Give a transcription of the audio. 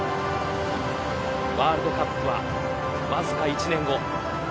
ワールドカップはわずか１年後。